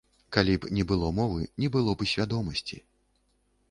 Калі б не было мовы, не было б і свядомасці.